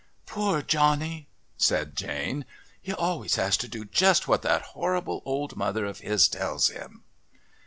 "Poor Johnny!" said Jane. "He always has to do just what that horrible old mother of his tells him."